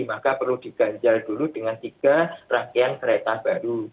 maka perlu diganjal dulu dengan tiga rangkaian kereta baru